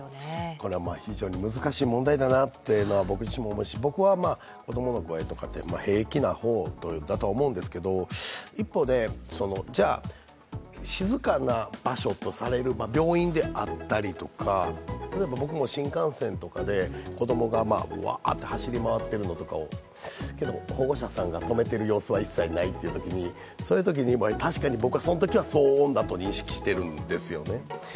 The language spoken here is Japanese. これは非常に難しい問題だなというのは僕自身も思うし、僕は子供の声とかって平気な方だと思うんですけれども、一方で、じゃあ、静かな場所とされる病院であったりとか、僕も新幹線とかで子供がうわっと走り回っているのとかを保護者さんが止めてる様子は一切ないというときに確かに、僕はそのときは騒音だと認識しているんですよね。